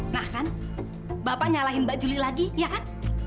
nah kan bapak nyalahin mbak juli lagi ya kan